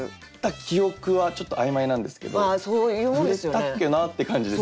記憶はちょっと曖昧なんですけど「触れたっけな？」って感じです。